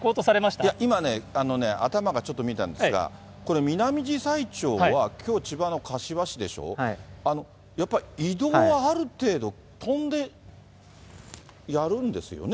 いや、今ね、頭がちょっと見えたんですが、これ、ミナミジサイチョウは、きょう、千葉の柏市でしょ、やっぱり移動はある程度、飛んでやるんですよね？